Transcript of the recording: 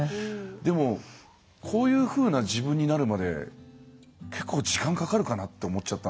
でもこういうふうな自分になるまで結構時間かかるかなって思っちゃったんですよね。